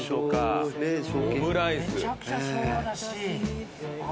めちゃくちゃ昭和だし。